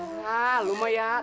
ah lu mau ya tenang